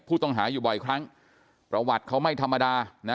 ผู้ต้องหาอยู่บ่อยครั้งประวัติเขาไม่ธรรมดานะ